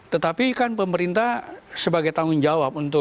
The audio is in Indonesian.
tetapi kan pemerintah sebagai tanggung jawab untuk